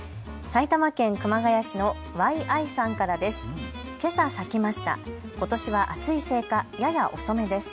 埼玉県熊谷市のＹ．Ｉさんからです。